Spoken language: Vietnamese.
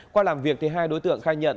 qua làm việc thì hai đối tượng khai nhận